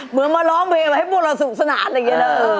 เหมือนมาร้องเวย์ไว้ให้พวกเราสูงสนาดอย่างเงียน